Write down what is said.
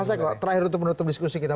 mas eko terakhir untuk menutup diskusi kita